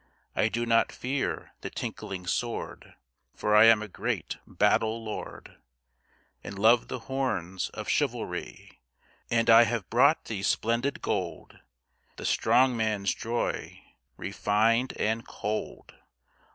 I do not fear the tinkling sword, For I am a great battle lord, And love the horns of chivalry. And I have brought thee splendid gold, The strong man's joy, refined and cold.